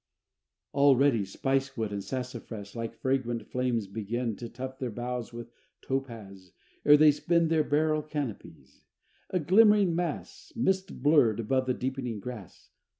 VI "Already spicewood and the sassafras, Like fragrant flames, begin To tuft their boughs with topaz, ere they spin Their beryl canopies a glimmering mass, Mist blurred, above the deepening grass.